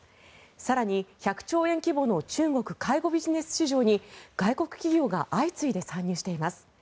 更に１００兆円規模の中国介護ビジネス市場に外国企業が相次いで参入しています。